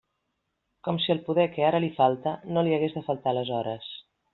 Com si el poder que ara li falta no li hagués de faltar aleshores!